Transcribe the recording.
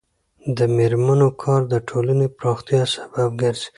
د میرمنو کار د ټولنې پراختیا سبب ګرځي.